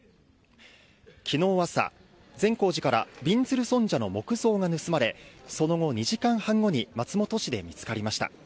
昨日朝、善光寺からびんずる尊者の木像が盗まれその後、２時間半後に松本市で見つかりました。